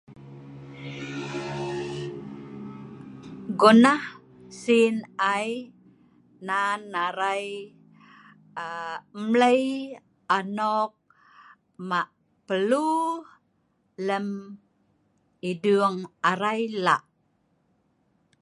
Gonah sin ai nan arai aaa mlei anok, mak perlu..lem idung arai lak